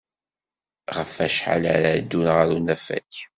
Ɣef wacḥal ara ddun ɣer unafag?